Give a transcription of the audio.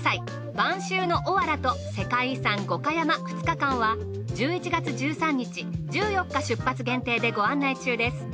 「晩秋のおわら」と世界遺産五箇山２日間は１１月１３日１４日出発限定でご案内中です。